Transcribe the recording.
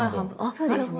そうですね。